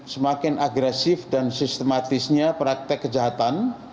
semakin agresif dan sistematisnya praktek kejahatan